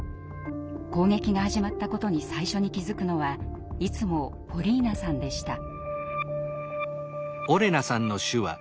攻撃が始まったことに最初に気付くのはいつもポリーナさんでした。